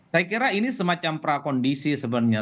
saya kira ini semacam prakondisi sebenarnya